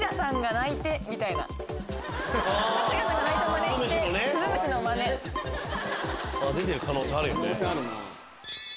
出てる可能性あるよね。